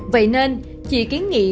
vậy nên chị kiến nghị